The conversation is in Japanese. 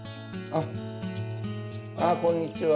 ああこんにちは。